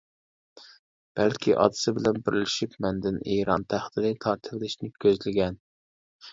بەلكى، ئاتىسى بىلەن بىرلىشىپ مەندىن ئىران تەختىنى تارتىۋېلىشنى كۆزلىگەن.